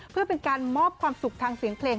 เพื่อเป็นการมอบความสุขทางเสียงเพลง